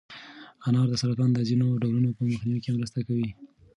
انار د سرطان د ځینو ډولونو په مخنیوي کې مرسته کوي.